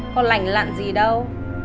có lành lặn gì đâu